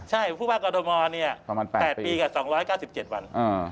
ใช่ผู้ว่ากอธมอต๘ปีกับ๒๙๗วัน